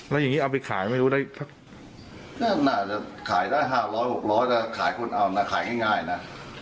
แล้วอย่างงี้เอาไปขายไม่รู้ได้ค่ะน่าจะขายได้ห้าร้อยหกร้อยแต่ขายคนเอาน่าขายง่ายง่ายน่ะ